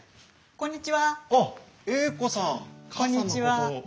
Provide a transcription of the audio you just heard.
こんにちは。